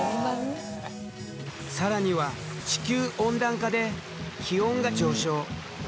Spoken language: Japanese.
更には地球温暖化で気温が上昇。